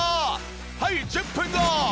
はい１０分後！